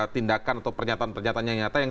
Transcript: tindakan atau pernyataan pernyataan yang nyata yang